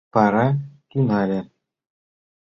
Вара тӱҥале.